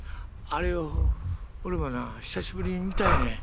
あれを俺もな久しぶりに見たいねん。